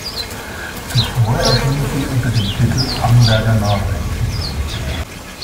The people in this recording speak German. Zuvor erschien sie unter dem Titel „Amberger Nachrichten“.